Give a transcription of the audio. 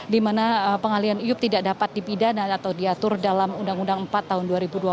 di mana pengalian iup tidak dapat dipidana atau diatur dalam undang undang empat tahun dua ribu dua belas